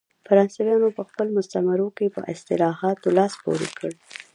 فرانسویانو په خپلو مستعمرو کې په اصلاحاتو لاس پورې کړ.